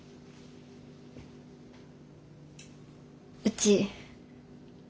うち。